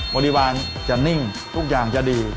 บริวารจะนิ่งทุกอย่างจะดี